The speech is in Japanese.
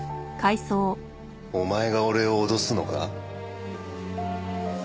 お前が俺を脅すのか？